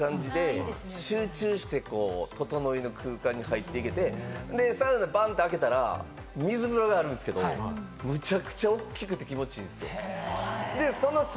ちょっと薄暗い感じで、集中して、ととのいの空間に入って行けて、サウナ、パンって開けたら水風呂があるんですけど、むちゃくちゃ大きくて気持ちいいんですよ。